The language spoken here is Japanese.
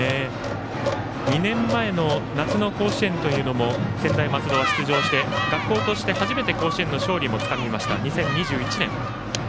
２年前の夏の甲子園も専大松戸は出場していて学校として初めて、甲子園の勝利もつかみました、２０２１年。